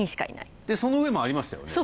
でその上もありましたよね？